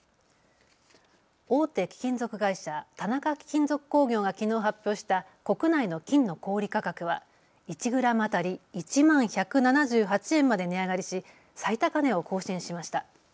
大手貴金属会社、田中貴金属工業がきのう発表した国内の金の小売価格は１グラム当たり１万１７８円まで値上がりし最高値を更新しました。